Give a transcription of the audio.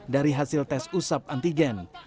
dari hasil tes usap antigen